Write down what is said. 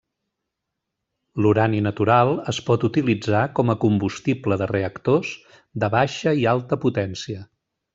L'urani natural es pot utilitzar com a combustible de reactors de baixa i alta potència.